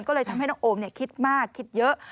ก็เลยทำให้น้องโอมคิดมากคิดเยอะ